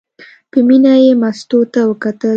په مینه یې مستو ته وکتل.